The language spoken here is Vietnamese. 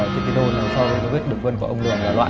kết quả so sánh đường vân của ông đường là loại